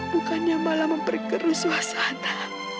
bukannya malah memperkeru suasana